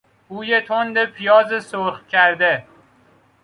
بوی تند پیاز سرخ کرده